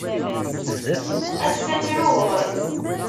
Ass-a ttruɣ.